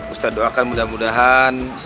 ustadz doakan mudah mudahan